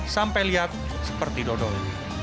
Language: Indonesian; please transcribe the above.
sampai lihat seperti dodol